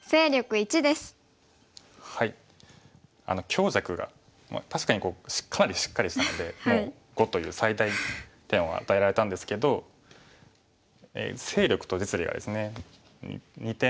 強弱が確かにかなりしっかりしたのでもう５という最大点は与えられたんですけど勢力と実利がですね２点。